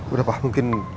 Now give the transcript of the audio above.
udah pak mungkin